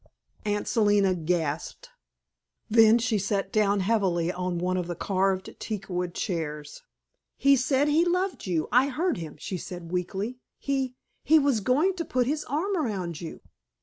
Aunt Selina gasped. Then she sat down heavily on one of the carved teakwood chairs. "He said he loved you; I heard him," she said weakly. "He he was going to put his arm around you!"